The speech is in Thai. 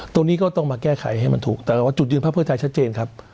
ตรงนี้ก็ต้องมาแก้ไขให้มันถูกแต่ว่าจุดยืนภาคเพื่อไทยชัดเจนครับ